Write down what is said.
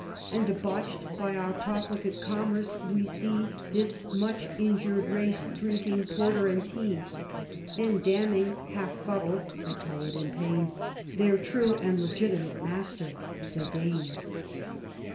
And debanch'd by our profligate commerce, we see This much injured race drinking porter and tea. And damning, half fuddled (I tell it in pain), Their true and legitimate master — ^the Dane